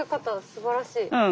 すばらしい。